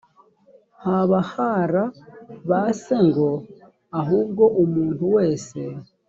babah ra ba se ngo ahubwo umuntu wese